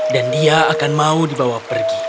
dan dia akan mau dibawa pergi